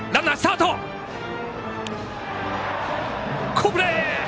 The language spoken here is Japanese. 好プレー！